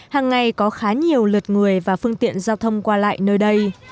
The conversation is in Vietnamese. hàng ngày có khá nhiều lượt người và phương tiện giao thông qua lại nơi đây